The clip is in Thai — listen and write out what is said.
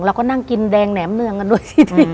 แล้วก็นั่งกินแดงแหนมเนืองกันด้วย